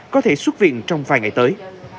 có thể xuất viện trong vài ngày tới